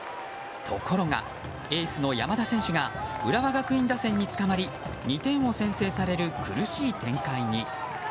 ところがエースの山田選手が浦和学院打線につかまり２点を先制される苦しい展開に。